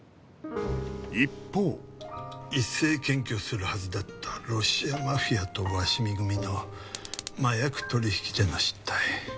一方一斉検挙するはずだったロシアマフィアと鷲見組の麻薬取引での失態。